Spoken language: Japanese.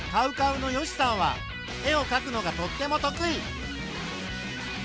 ＣＯＷＣＯＷの善しさんは絵をかくのがとっても得意。